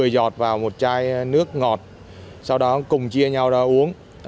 một mươi giọt vào một chai nước ngọt sau đó cùng chia nhau ra uống